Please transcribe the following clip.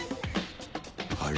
あれ？